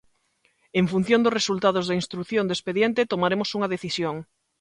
En función dos resultados da instrución do expediente tomaremos unha decisión.